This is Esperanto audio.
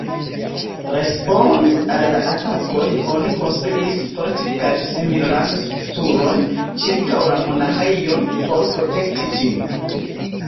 Responde al la atakoj, oni konstruis fortikaĵ-similan strukturon ĉirkaŭ la monaĥejon, por protekti ĝin.